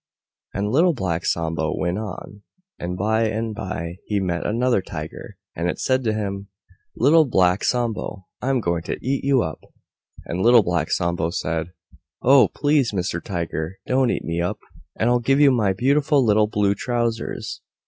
And Little Black Sambo went on, and by and by he met another Tiger, and it said to him, "Little Black Sambo, I'm going to eat you up!" And Little Black Sambo said, "Oh! Please Mr. Tiger, don't eat me up, and I'll give you my beautiful little Blue Trousers."